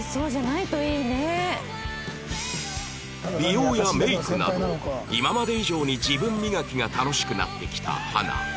美容やメイクなど今まで以上に自分磨きが楽しくなってきた花